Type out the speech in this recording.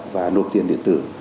và nộp tiền điện tử